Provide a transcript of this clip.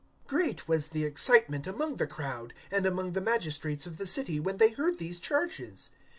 017:008 Great was the excitement among the crowd, and among the magistrates of the city, when they heard these charges.